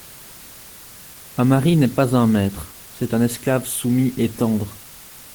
Un mari n’est pas un maître… c’est un esclave soumis et tendre…